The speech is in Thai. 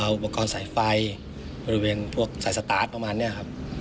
เอาอุปกรณ์สายไฟบริเวณพวกสายสตาร์ทประมาณนี้ครับ